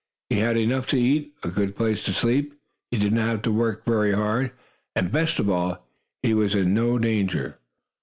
He had enough to eat, a good place to sleep, he did not have to work very hard, and, best of all, he was in no danger.